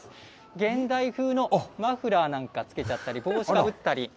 現代風のマフラーなんかつけちゃったり、帽子かぶったり。